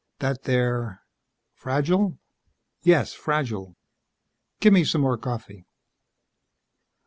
"That they're ..." "Fragile?" "Yes fragile." "Give me some more coffee."